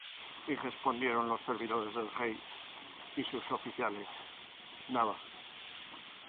Y respondieron los servidores del rey, sus oficiales: Nada.